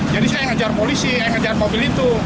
jadi saya ngejar polisi yang ngejar mobil itu